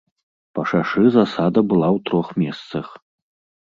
Па шашы засада была ў трох месцах.